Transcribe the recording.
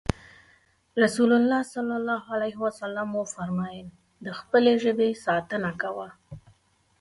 رسول الله ص وفرمايل د خپلې ژبې ساتنه کوه.